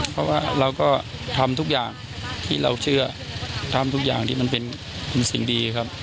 เพราะว่าเราก็ทำทุกอย่างที่เราเชื่อทำทุกอย่างที่มันเป็นสิ่งดีครับ